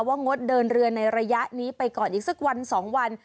งดเดินเรือในระยะนี้ไปก่อนอีกสักวัน๒วัน